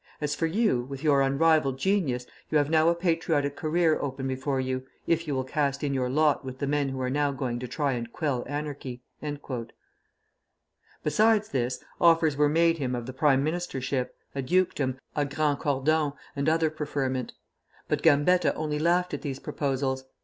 As for you, with your unrivalled genius you have now a patriotic career open before you, if you will cast in your lot with the men who are now going to try and quell anarchy." [Footnote 1: Clément Laurier, Cornhill Magazine, 1883.] Besides this, offers were made him of the prime minister ship, a dukedom, a Grand Cordon, and other preferment; but Gambetta only laughed at these proposals.